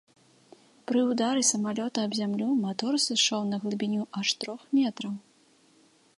Пры ўдары самалёта аб зямлю матор сышоў на глыбіню аж трох метраў.